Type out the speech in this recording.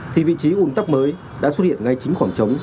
thì vị trí ủn tắc mới đã xuất hiện ngay chính khoảng trống